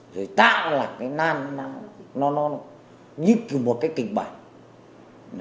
rồi tạo là cái nan nó như kiểu một cái kịch bản